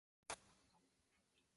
Gör som jag säger Ulrich.